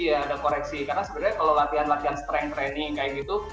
karena sebenarnya kalau latihan latihan strength training kayak gitu